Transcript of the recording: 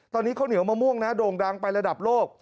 ตอนนี้ข้าวเหนียวมะม่วงนะโด่งดังไประดับโลก